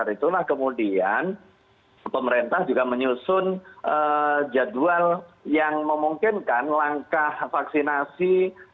itulah kemudian pemerintah juga menyusun jadwal yang memungkinkan langkah vaksinasi